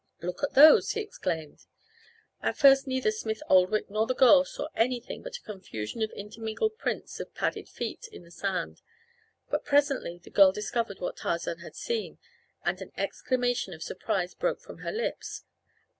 "Look at those," he exclaimed. At first neither Smith Oldwick nor the girl saw anything but a confusion of intermingled prints of padded feet in the sand, but presently the girl discovered what Tarzan had seen, and an exclamation of surprise broke from her lips.